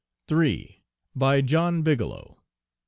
BY JOHN BIGELOW.